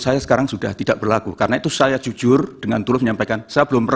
saya sekarang sudah tidak berlaku karena itu saya jujur dengan turut menyampaikan saya belum pernah